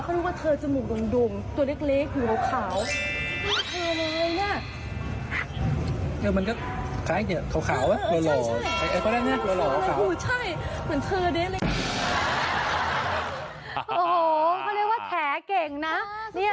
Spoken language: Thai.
เธอดูเธอจมูกดุงสามทีนี้